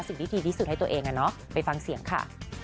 สิ่งดีที่ดีสุดให้ตัวเองน่ะไปฟังเสียงค่ะ